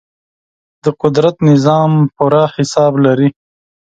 د قدرت نظام پوره حساب لري.